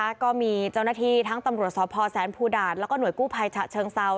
แล้วก็มีเจ้าหน้าที่ทั้งตำรวจสพแสนภูดาตแล้วก็หน่วยกู้ภัยฉะเชิงเซา